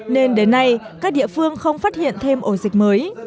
nên đến nay các địa phương không phát hiện thêm ổ dịch mới